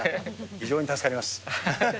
非常に助かります。